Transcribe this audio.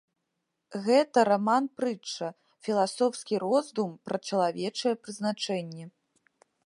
Гэта раман-прытча, філасофскі роздум пра чалавечае прызначэнне.